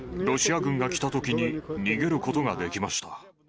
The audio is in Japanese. ロシア軍が来たときに逃げることができました。